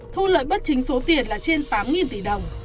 thu lợi bất chính số tiền là trên tám tỷ đồng